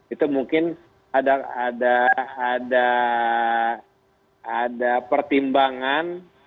itu mungkin ada pertimbangan